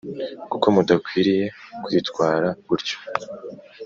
kuko mudakwiriye kwitwara gutyo